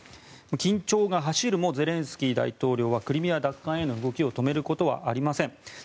緊張が走るもゼレンスキー大統領はクリミア奪還への動きを止めることはありません。